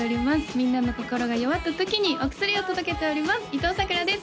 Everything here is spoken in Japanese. みんなの心が弱った時にお薬を届けております伊藤さくらです